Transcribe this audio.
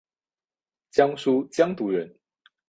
江苏江都人。